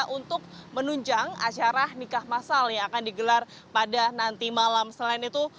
untuk menunjang acara nikah masal yang akan digelar pada nanti malam selain itu